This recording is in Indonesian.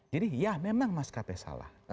jadi ya memang mas kp salah